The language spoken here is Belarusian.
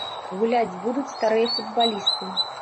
Гуляць будуць старыя футбалісты.